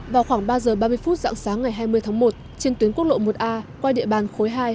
vào khoảng ba giờ ba mươi phút dạng sáng ngày hai mươi tháng một trên tuyến quốc lộ một a qua địa bàn khối hai